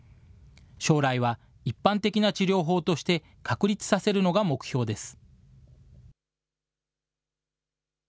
将来は、一般的な治療法として、確立させるのが目標です。